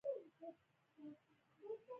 د غونډیو بلې غاړې ته ورشي.